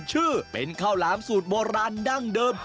ชื่อเป็นข้าวหลามสูตรโบราณดั้งเดิม